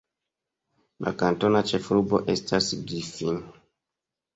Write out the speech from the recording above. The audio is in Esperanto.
La kantona ĉefurbo estas Griffin.